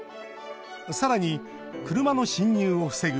さらに、車の進入を防ぐ